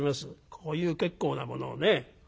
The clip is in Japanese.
こういう結構なものをね。